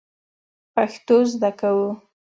پښتو زده کوو